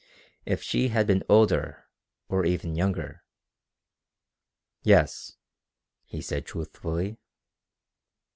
If she had been older, or even younger.... "Yes," he said truthfully.